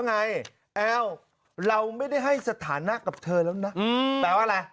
ไงแอลเราไม่ได้ให้สถานะกับเธอแล้วนะแปลว่าอะไร